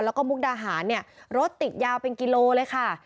แล้วก็มุกดาหารเนี่ยรถติดยาวเป็นกิโลเลยค่ะ